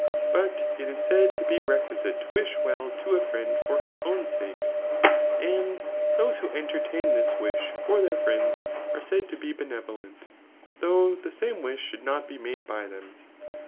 But it is said to be requisite to wish well to a friend for his own sake ; and those who entertain this wish for their friends, are said to be benevolent, though the same wish should not be made by them.